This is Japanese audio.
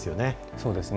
そうですね。